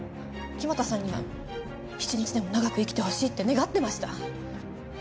木俣さんには一日でも長く生きてほしいって願ってました。